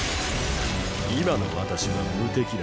今の私は無敵だ。